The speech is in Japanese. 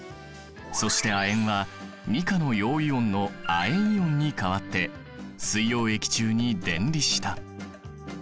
そして亜鉛は２価の陽イオンの亜鉛イオンに変わって水溶液中に電離した。